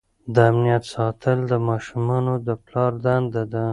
د امنیت ساتل د ماشومانو د پلار دنده ده.